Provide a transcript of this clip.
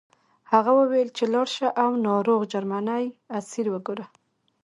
هغه وویل چې لاړ شه او ناروغ جرمنی اسیر وګوره